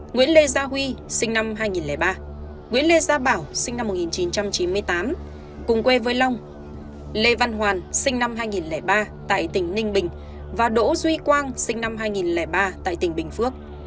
nguyễn lê gia huy sinh năm hai nghìn ba nguyễn lê gia bảo sinh năm một nghìn chín trăm chín mươi tám cùng quê với long lê văn hoàn sinh năm hai nghìn ba tại tỉnh ninh bình và đỗ duy quang sinh năm hai nghìn ba tại tỉnh bình phước